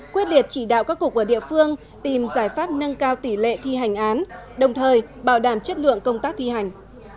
quyết liệt chỉ đạo các cục ở địa phương tìm giải pháp nâng cao tỷ lệ thi hành án đồng thời bảo đảm chất lượng công tác thi hành